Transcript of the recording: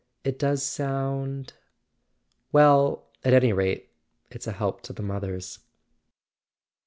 It does sound ...? Well, at any rate, it's a help to the mothers."